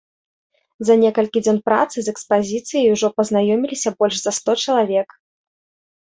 За некалькі дзён працы з экспазіцыяй ужо пазнаёміліся больш за сто чалавек.